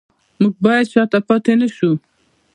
موږ باید شاته پاتې نشو